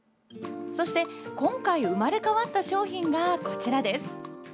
そして今回生まれ変わった商品がこちらです。